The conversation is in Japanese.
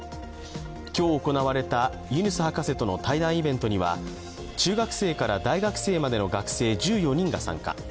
今日行われたユヌス博士との対談イベントには中学生から大学生までの学生１４人が参加。